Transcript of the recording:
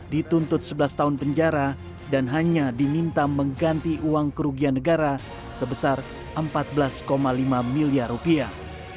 dituntut sebelas tahun penjara dan hanya diminta mengganti uang kerugian negara sebesar empat belas lima miliar rupiah